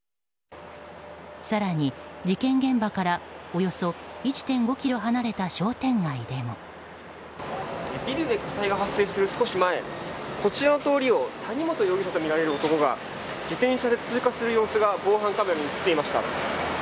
更に、事件現場からおよそ１．５ｋｍ離れたビルで火災が発生する少し前こちらの通りを谷本容疑者とみられる男が自転車で通過する様子が防犯カメラに映っていました。